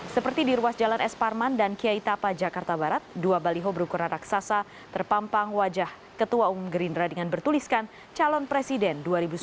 seperti di ruas jalan es parman dan kiai tapa jakarta barat dua baliho berukuran raksasa terpampang wajah ketua umum gerindra dengan bertuliskan calon presiden dua ribu sembilan belas